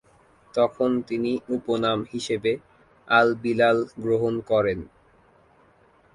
তখন তিনি উপনাম হিসেবে আল বিলাল গ্রহণ করেন।